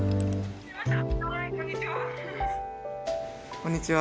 こんにちは。